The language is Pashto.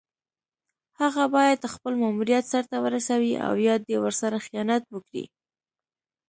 هغه باید خپل ماموریت سر ته ورسوي او یا دې ورسره خیانت وکړي.